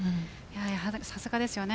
さすがですね。